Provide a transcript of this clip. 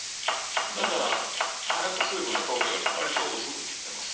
だから早く水分が飛ぶように割と薄く切ってます。